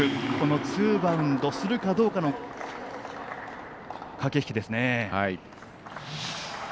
ツーバウンドするかどうかの駆け引きですね。